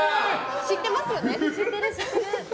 知ってますよね？